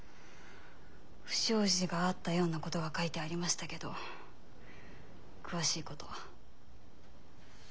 不祥事があったようなことが書いてありましたけど詳しいことは。